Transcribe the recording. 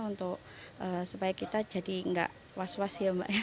untuk supaya kita jadi nggak was was ya mbak